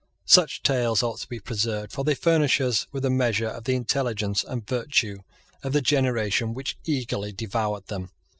Such tales ought to be preserved; for they furnish us with a measure of the intelligence and virtue of the generation which eagerly devoured them.